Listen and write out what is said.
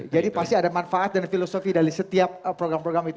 jadi pasti ada manfaat dan filosofi dari setiap program program itu